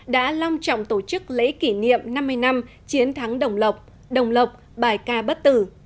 đã long trọng tổ chức lễ kỷ niệm năm mươi năm chiến thắng đồng lộc đồng lộc bài ca bất tử